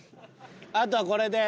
あとはこれで。